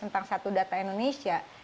tentang satu data indonesia